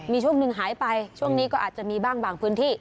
มีช่วงหนึ่งหายไปช่วงนี้ก็อาจจะมีบ้างบางพื้นที่